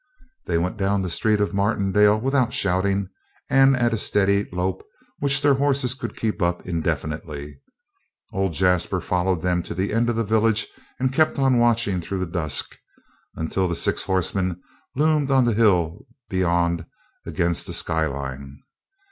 They went down the street of Martindale without shouting and at a steady lope which their horses could keep up indefinitely. Old Jasper followed them to the end of the village and kept on watching through the dusk until the six horsemen loomed on the hill beyond against the sky line.